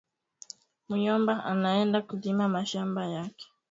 Muyomba anaenda kulima mashamba yake